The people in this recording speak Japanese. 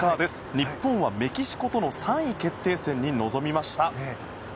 日本はメキシコとの３位決定戦に臨みました。